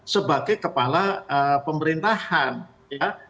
sebagai kepala pemerintahan ya